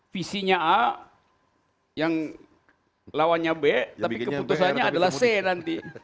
visinya a yang lawannya b tapi keputusannya adalah c nanti